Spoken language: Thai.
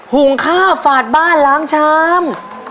หุงข้าวฝาดบ้านล้างชาม